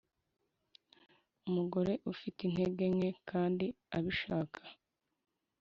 umugore ufite intege nke kandi abishaka -